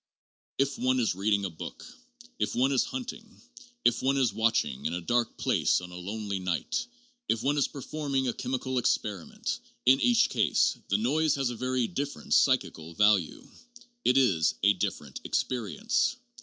If one is reading a book, if one is hunting, if one is watch ing in a dark place on a lonely night, if one is performing a chemical experiment, in each case, the noise has a very different psychical value ; it is a different experience.